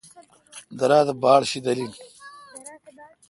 درا تہ باڑشیدل این۔